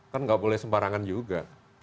kan nggak boleh sembarangan juga